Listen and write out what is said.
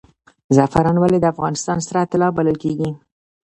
زعفران ولې د افغانستان سره طلا بلل کیږي؟